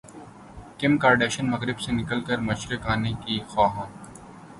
کم Kardashian مغرب سے نکل کر مشرق انے کی خواہاں